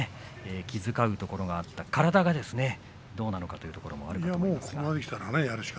気遣うところがあった体がどうなのかというところもあるかと思いますね。